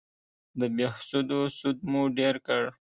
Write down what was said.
د بهسودو سود مو ډېر کړ